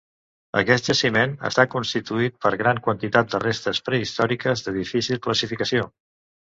Aquest jaciment està constituït per gran quantitat de restes prehistòriques de difícil classificació.